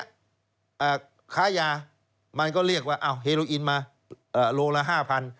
ค้ายามันก็เรียกว่าเอาเฮโลอินมาเอ่อโลละห้าพัน